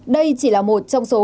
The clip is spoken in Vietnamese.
đây chỉ là một trong số